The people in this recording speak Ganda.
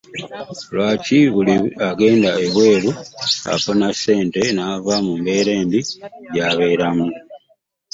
Lwaki buli agenda ebwe ru afuna ssente naava mu mbeera embi gyabeeramu?